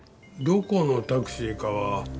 どこのタクシーかは？